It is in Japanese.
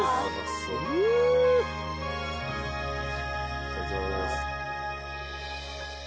いただきます。